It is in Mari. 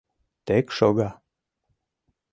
— Тек шога...